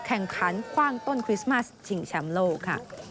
แข่งขันคว่างต้นคริสต์มัสชิงแชมป์โลกค่ะ